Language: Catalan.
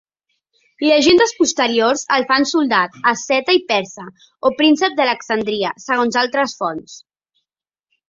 Llegendes posteriors el fan soldat, asceta i persa, o príncep d'Alexandria, segons altres fonts.